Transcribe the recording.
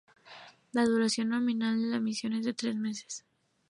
La duración nominal de la misión es de tres meses.